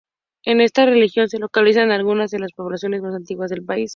En esta región se localizan algunas de las poblaciones más antiguas del país.